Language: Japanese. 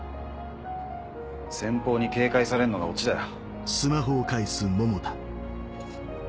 先方に警戒されんのがオチだよ。